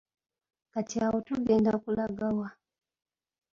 Kati awo tugenda kulaga wa?